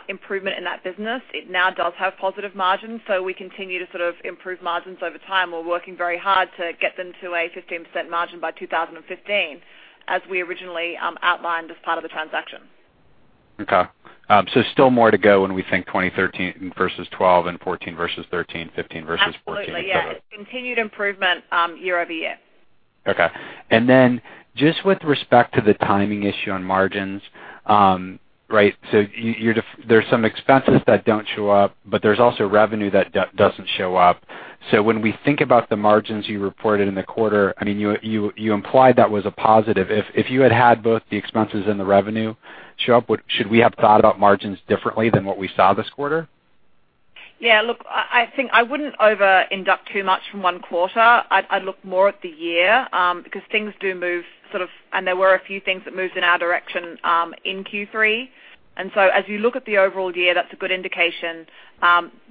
improvement in that business. It now does have positive margins, so we continue to improve margins over time. We're working very hard to get them to a 15% margin by 2015, as we originally outlined as part of the transaction. Okay. Still more to go when we think 2013 versus 2012 and 2014 versus 2013, 2015 versus 2014. Absolutely. Yeah. Continued improvement year-over-year. Okay. Just with respect to the timing issue on margins. There's some expenses that don't show up, but there's also revenue that doesn't show up. When we think about the margins you reported in the quarter, you implied that was a positive. If you had had both the expenses and the revenue show up, should we have thought about margins differently than what we saw this quarter? Yeah. Look, I think I wouldn't over-index too much from one quarter. I'd look more at the year, because things do move, and there were a few things that moved in our direction in Q3. As you look at the overall year, that's a good indication.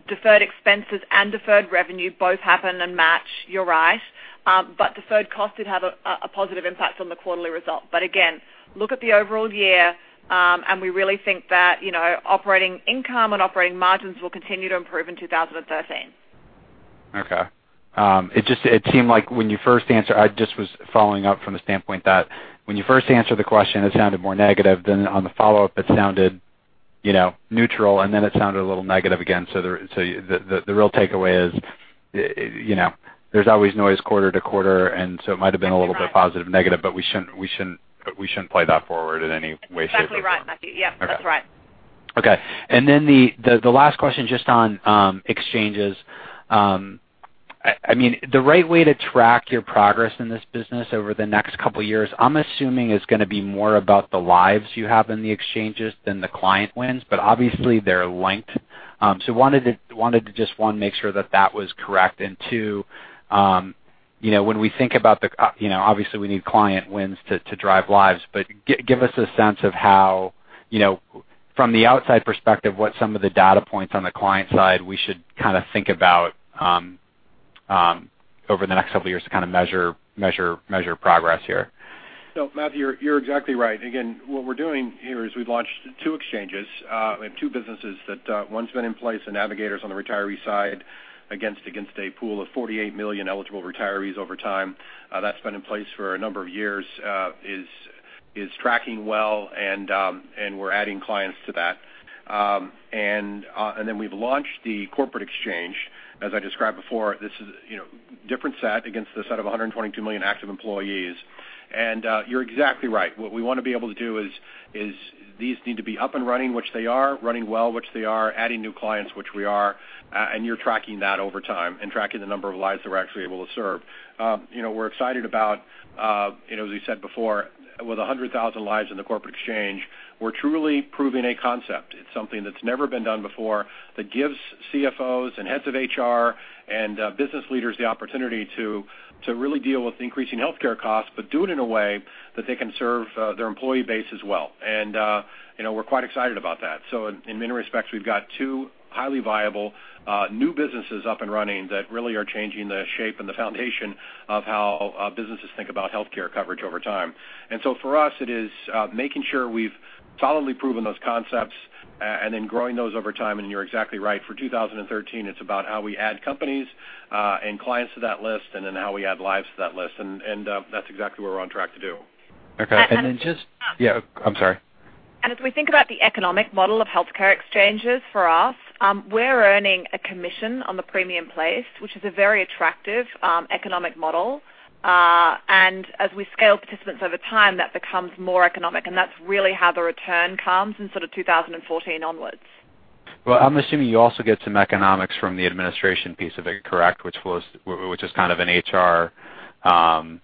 Deferred expenses and deferred revenue both happen and match, you're right. Deferred costs did have a positive impact on the quarterly result. Again, look at the overall year, and we really think that operating income and operating margins will continue to improve in 2013. Okay. I just was following up from the standpoint that when you first answered the question, it sounded more negative than on the follow-up, it sounded neutral, and then it sounded a little negative again. The real takeaway is, there's always noise quarter to quarter, and it might have been a little bit positive, negative, but we shouldn't play that forward in any way, shape, or form. That's exactly right, Matthew. Yep, that's right. Okay. The last question, just on exchanges. The right way to track your progress in this business over the next couple years, I'm assuming it's going to be more about the lives you have in the exchanges than the client wins, but obviously they're linked. Wanted to just, one, make sure that that was correct, and two, obviously we need client wins to drive lives, but give us a sense of how, from the outside perspective, what some of the data points on the client side we should think about over the next couple of years to measure progress here. Matthew, you're exactly right. Again, what we're doing here is we've launched two exchanges, two businesses that one's been in place, the Aon Hewitt Navigators on the retiree side against a pool of 48 million eligible retirees over time. That's been in place for a number of years, is tracking well, and we're adding clients to that. We've launched the corporate exchange. As I described before, this is a different set against the set of 122 million active employees. You're exactly right. What we want to be able to do is these need to be up and running, which they are, running well, which they are, adding new clients, which we are, and you're tracking that over time and tracking the number of lives that we're actually able to serve. We're excited about, as we said before, with 100,000 lives in the corporate exchange, we're truly proving a concept. It's something that's never been done before that gives CFOs and heads of HR and business leaders the opportunity to really deal with increasing healthcare costs, but do it in a way that they can serve their employee base as well. We're quite excited about that. In many respects, we've got two highly viable new businesses up and running that really are changing the shape and the foundation of how businesses think about healthcare coverage over time. For us, it is making sure we've solidly proven those concepts and then growing those over time. You're exactly right. For 2013, it's about how we add companies and clients to that list and then how we add lives to that list. That's exactly what we're on track to do. Okay. I'm sorry. As we think about the economic model of healthcare exchanges for us, we're earning a commission on the premium placed, which is a very attractive economic model. As we scale participants over time, that becomes more economic, and that's really how the return comes in sort of 2014 onwards. I'm assuming you also get some economics from the administration piece of it, correct? Which is kind of an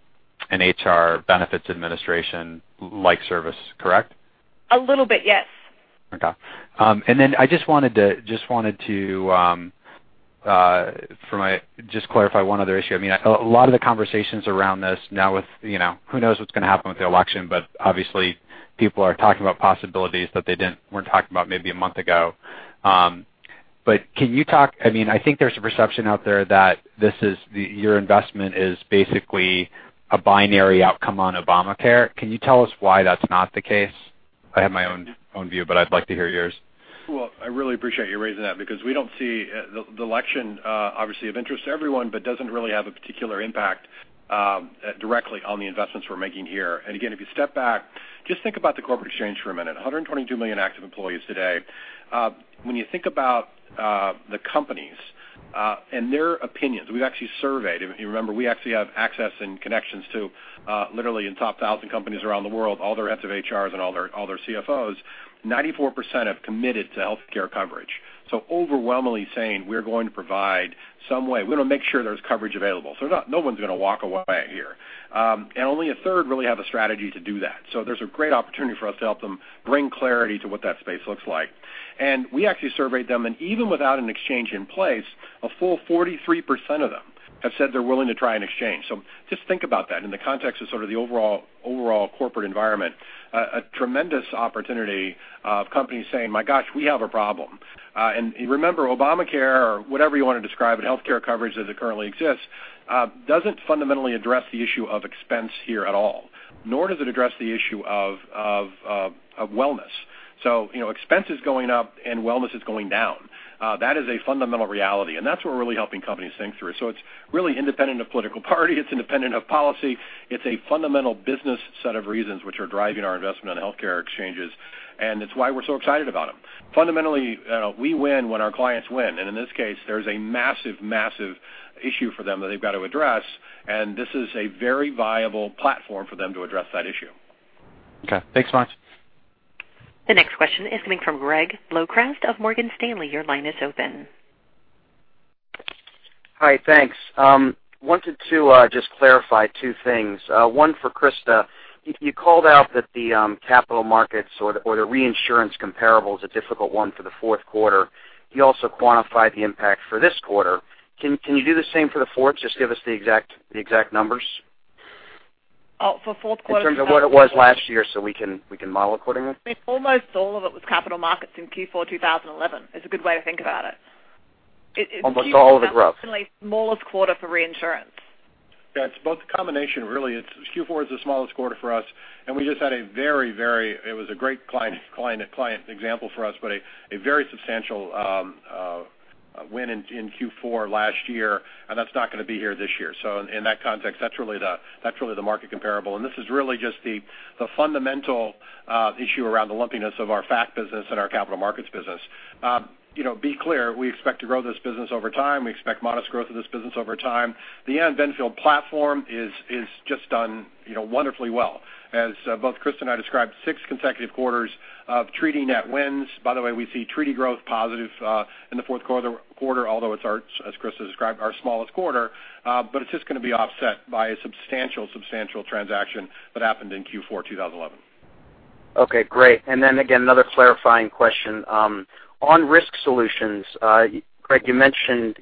HR benefits administration like service, correct? A little bit, yes. I just wanted to just clarify one other issue. A lot of the conversations around this now with, who knows what's going to happen with the election, but obviously people are talking about possibilities that they weren't talking about maybe a month ago. Can you talk. I think there's a perception out there that your investment is basically a binary outcome on Obamacare. Can you tell us why that's not the case? I have my own view, but I'd like to hear yours. Well, I really appreciate you raising that because the election, obviously of interest to everyone, but doesn't really have a particular impact directly on the investments we're making here. Again, if you step back, just think about the corporate exchange for a minute, 122 million active employees today. When you think about the companies and their opinions, we've actually surveyed, if you remember, we actually have access and connections to literally in top 1,000 companies around the world, all their heads of HRs and all their CFOs, 94% have committed to healthcare coverage. Overwhelmingly saying, we're going to provide some way. We're going to make sure there's coverage available. No one's going to walk away here. Only a third really have a strategy to do that. There's a great opportunity for us to help them bring clarity to what that space looks like. We actually surveyed them, and even without an exchange in place, a full 43% of them have said they're willing to try an exchange. Just think about that in the context of sort of the overall corporate environment. A tremendous opportunity of companies saying, "My gosh, we have a problem." Remember, Obamacare or whatever you want to describe it, healthcare coverage as it currently exists, doesn't fundamentally address the issue of expense here at all, nor does it address the issue of wellness. Expense is going up and wellness is going down. That is a fundamental reality, and that's what we're really helping companies think through. It's really independent of political party, it's independent of policy. It's a fundamental business set of reasons which are driving our investment in healthcare exchanges, and it's why we're so excited about them. Fundamentally, we win when our clients win, and in this case, there's a massive issue for them that they've got to address, and this is a very viable platform for them to address that issue. Okay, thanks much. The next question is coming from Greg Locraft of Morgan Stanley. Your line is open. Hi. Thanks. Wanted to just clarify two things. One for Krista. You called out that the capital markets or the reinsurance comparable is a difficult one for the fourth quarter. You also quantified the impact for this quarter. Can you do the same for the fourth? Just give us the exact numbers. Oh, for fourth quarter. In terms of what it was last year, we can model accordingly. Almost all of it was capital markets in Q4 2011, is a good way to think about it. Almost all of the growth. It's usually the smallest quarter for reinsurance. Yeah, it's both a combination, really. Q4 is the smallest quarter for us, and we just had a very, it was a great client example for us, but a very substantial win in Q4 last year, and that's not going to be here this year. In that context, that's really the market comparable. This is really just the fundamental issue around the lumpiness of our fac business and our capital markets business. Be clear, we expect to grow this business over time. We expect modest growth of this business over time. The Aon Benfield platform is just done wonderfully well. As both Christa and I described, six consecutive quarters of treaty net wins. By the way, we see treaty growth positive in the fourth quarter, although it's our, as Christa has described, our smallest quarter. It's just going to be offset by a substantial transaction that happened in Q4 2011. Okay, great. Again, another clarifying question. On Risk Solutions, Greg, you mentioned,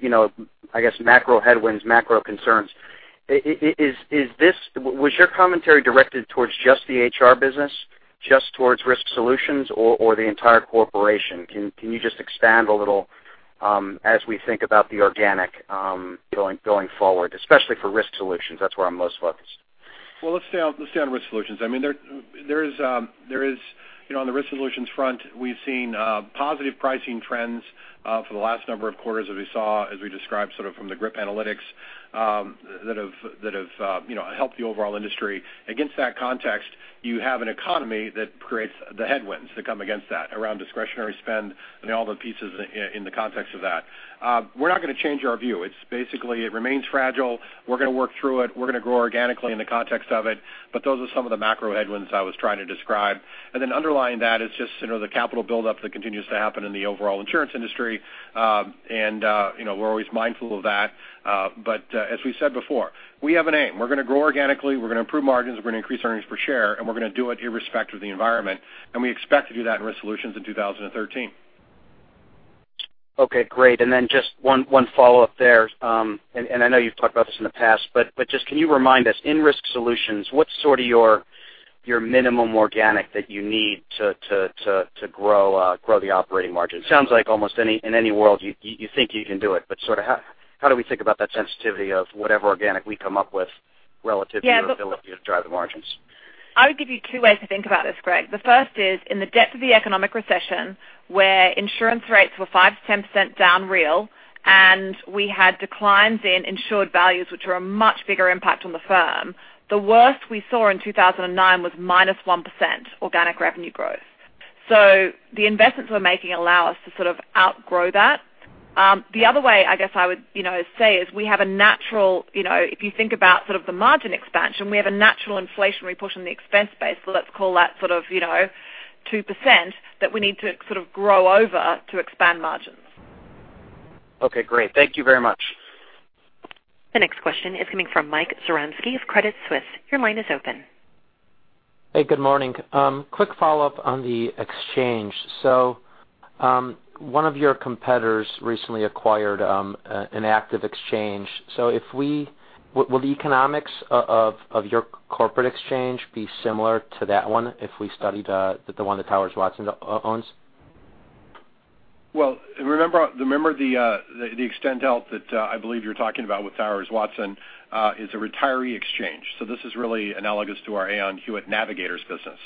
I guess, macro headwinds, macro concerns. Was your commentary directed towards just the HR Solutions business, just towards Risk Solutions or the entire corporation? Can you just expand a little as we think about the organic going forward, especially for Risk Solutions? That's where I'm most focused. Well, let's stay on Risk Solutions. On the Risk Solutions front, we've seen positive pricing trends for the last number of quarters as we saw, as we described sort of from the GRIP analytics that have helped the overall industry. Against that context, you have an economy that creates the headwinds that come against that, around discretionary spend and all the pieces in the context of that. We're not going to change our view. It's basically, it remains fragile. We're going to work through it. We're going to grow organically in the context of it. Those are some of the macro headwinds I was trying to describe. Underlying that is just the capital buildup that continues to happen in the overall insurance industry, and we're always mindful of that. As we said before, we have an aim. We're going to grow organically, we're going to improve margins, we're going to increase earnings per share, and we're going to do it irrespective of the environment. We expect to do that in Risk Solutions in 2013. Just one follow-up there. I know you've talked about this in the past, but just can you remind us, in Risk Solutions, what's sort of your minimum organic that you need to grow the operating margin? It sounds like almost in any world you think you can do it. How do we think about that sensitivity of whatever organic we come up with relative- Yeah, but- Your ability to drive the margins? I would give you two ways to think about this, Greg. The first is, in the depth of the economic recession, where insurance rates were 5%-10% down real, and we had declines in insured values, which were a much bigger impact on the firm. The worst we saw in 2009 was minus 1% organic revenue growth. The investments we're making allow us to sort of outgrow that. The other way, I guess I would say is we have a natural, if you think about sort of the margin expansion, we have a natural inflationary push on the expense base. Let's call that sort of 2% that we need to sort of grow over to expand margins. Okay, great. Thank you very much. The next question is coming from Michael Zaremski of Credit Suisse. Your line is open. Hey, good morning. Quick follow-up on the exchange. One of your competitors recently acquired an active exchange. Will the economics of your corporate exchange be similar to that one if we studied the one that Towers Watson owns? Well, remember the Extend Health that I believe you're talking about with Towers Watson is a retiree exchange. This is really analogous to our Aon Hewitt Navigators business.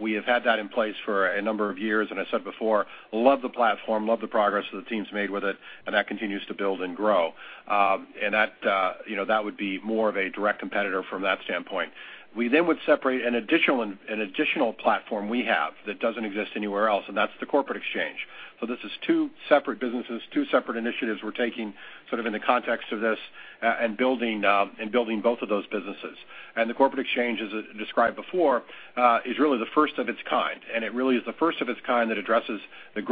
We have had that in place for a number of years, and I said before, love the platform, love the progress that the team's made with it, and that continues to build and grow. That would be more of a direct competitor from that standpoint. We then would separate an additional platform we have that doesn't exist anywhere else, and that's the corporate exchange. This is two separate businesses, two separate initiatives we're taking sort of in the context of this and building both of those businesses. The corporate exchange, as described before, is really the first of its kind, and it really is the first of its kind that addresses the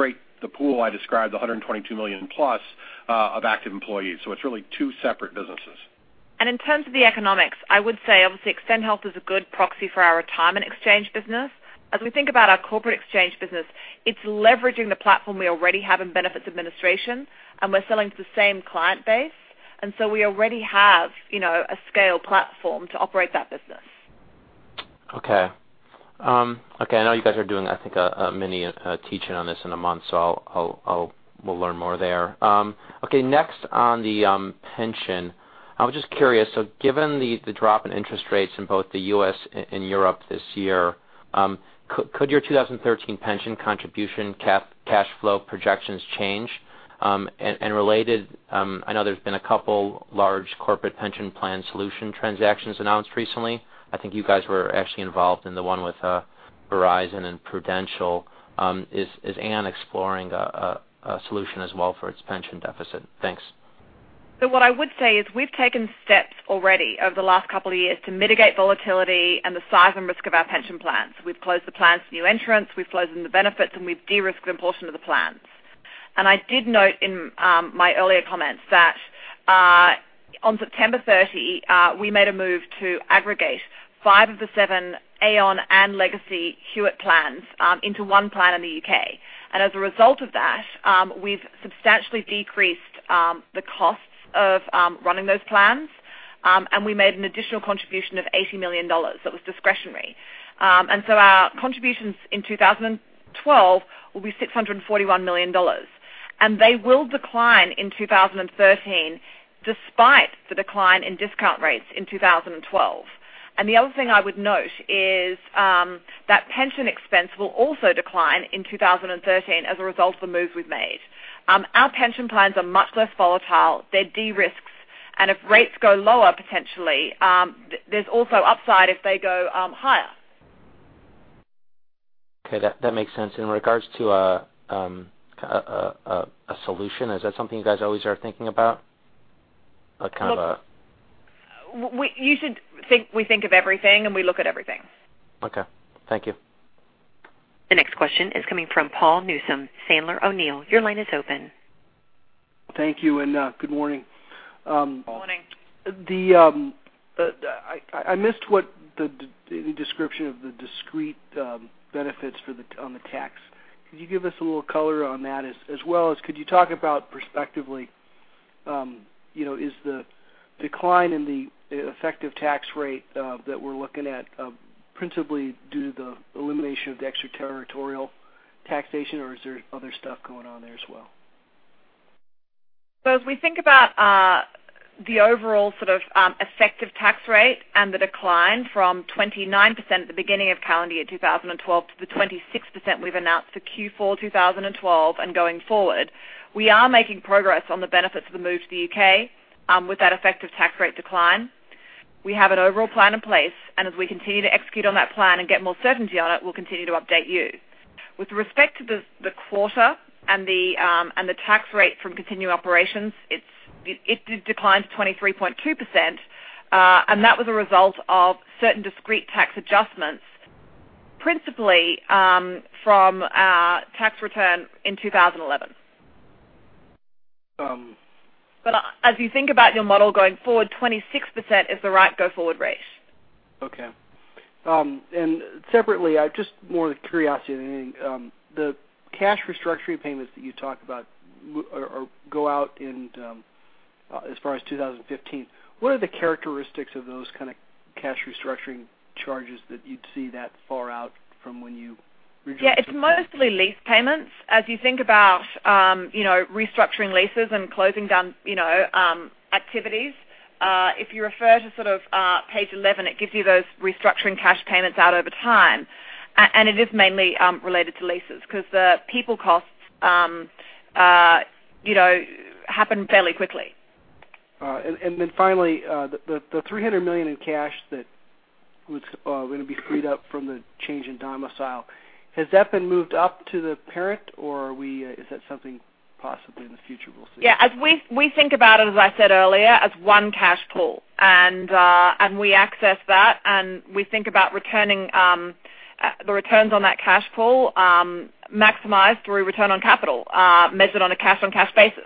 pool I described, the 122 million+ of active employees. It's really two separate businesses. In terms of the economics, I would say obviously Extend Health is a good proxy for our retirement exchange business. As we think about our corporate exchange business, it's leveraging the platform we already have in benefits administration, and we're selling to the same client base. We already have a scale platform to operate that business. I know you guys are doing, I think, a mini teaching on this in a month, so we'll learn more there. Next on the pension I was just curious, given the drop in interest rates in both the U.S. and Europe this year, could your 2013 pension contribution cash flow projections change? Related, I know there's been a couple large corporate pension plan solution transactions announced recently. I think you guys were actually involved in the one with Verizon and Prudential. Is Aon exploring a solution as well for its pension deficit? Thanks. What I would say is we've taken steps already over the last couple of years to mitigate volatility and the size and risk of our pension plans. We've closed the plans to new entrants, we've closed them to benefits, and we've de-risked a portion of the plans. I did note in my earlier comments that on September 30, we made a move to aggregate five of the seven Aon and legacy Hewitt plans into one plan in the U.K. As a result of that, we've substantially decreased the costs of running those plans. We made an additional contribution of $80 million that was discretionary. Our contributions in 2012 will be $641 million, and they will decline in 2013 despite the decline in discount rates in 2012. The other thing I would note is that pension expense will also decline in 2013 as a result of the move we've made. Our pension plans are much less volatile. They're de-risked, and if rates go lower, potentially, there's also upside if they go higher. Okay. That makes sense. In regards to a solution, is that something you guys always are thinking about? You should think we think of everything, and we look at everything. Okay. Thank you. The next question is coming from Paul Newsome, Sandler O'Neill. Your line is open. Thank you, good morning. Good morning. I missed the description of the discrete benefits on the tax. Could you give us a little color on that? As well as could you talk about perspectively, is the decline in the effective tax rate that we're looking at principally due to the elimination of the extraterritorial taxation, or is there other stuff going on there as well? As we think about the overall effective tax rate and the decline from 29% at the beginning of calendar year 2012 to the 26% we've announced for Q4 2012 and going forward, we are making progress on the benefits of the move to the U.K. with that effective tax rate decline. We have an overall plan in place, and as we continue to execute on that plan and get more certainty on it, we'll continue to update you. With respect to the quarter and the tax rate from continuing operations, it did decline to 23.2%, and that was a result of certain discrete tax adjustments, principally from our tax return in 2011. As you think about your model going forward, 26% is the right go forward rate. Okay. Separately, just more the curiosity than anything, the cash restructuring payments that you talked about go out as far as 2015. What are the characteristics of those kind of cash restructuring charges that you'd see that far out from when you renegotiate. Yeah, it's mostly lease payments. As you think about restructuring leases and closing down activities. If you refer to page 11, it gives you those restructuring cash payments out over time, and it is mainly related to leases because the people costs happen fairly quickly. All right. Then finally, the $300 million in cash that was going to be freed up from the change in domicile, has that been moved up to the parent, or is that something possibly in the future we'll see? Yeah, we think about it, as I said earlier, as one cash pool, we access that, we think about the returns on that cash pool maximized through return on capital, measured on a cash-on-cash basis.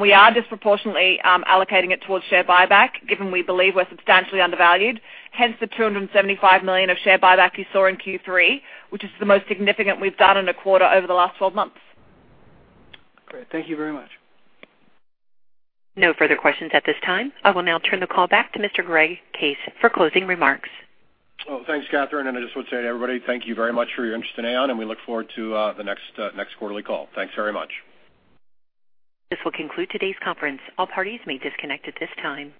We are disproportionately allocating it towards share buyback, given we believe we're substantially undervalued, hence the $275 million of share buyback you saw in Q3, which is the most significant we've done in a quarter over the last 12 months. Great. Thank you very much. No further questions at this time. I will now turn the call back to Mr. Greg Case for closing remarks. Well, thanks, Catherine, and I just want to say to everybody, thank you very much for your interest in Aon, and we look forward to the next quarterly call. Thanks very much. This will conclude today's conference. All parties may disconnect at this time.